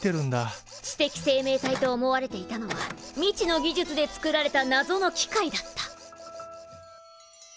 知的生命体と思われていたのは未知の技術で作られたなぞの機械だった。